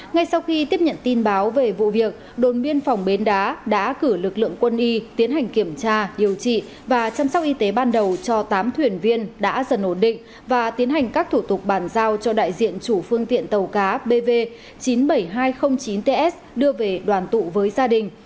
ngay sau khi tiếp nhận tin báo về vụ việc đồn biên phòng bến đá đã cử lực lượng quân y tiến hành kiểm tra điều trị và chăm sóc y tế ban đầu cho tám thuyền viên đã dần ổn định và tiến hành các thủ tục bàn giao cho đại diện chủ phương tiện tàu cá bv chín mươi bảy nghìn hai trăm linh chín ts đưa về đoàn tụ với gia đình